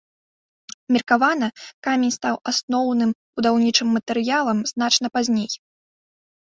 Меркавана, камень стаў асноўным будаўнічым матэрыялам значна пазней.